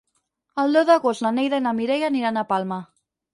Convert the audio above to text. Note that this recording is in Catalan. El deu d'agost na Neida i na Mireia aniran a Palma.